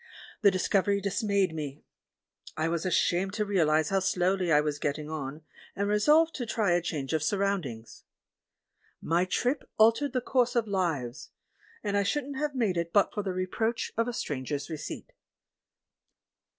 The discovery dismayed me. I was ashamed to realise how slowly I was getting on, and resolved to try a change of sur roundings. JNIy trip altered the course of lives — and I shouldn't have made it but for the reproach of a stranger's receipt.